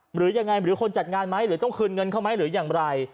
หรือยังไงหรือคนจัดงานไหมหรือต้องคืนเงินเขาไหมหรืออย่างไร